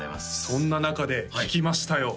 そんな中で聞きましたよ